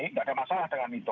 tidak ada masalah dengan itu